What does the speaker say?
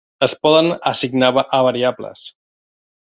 Es poden assignar a variables.